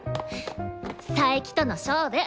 佐伯との勝負！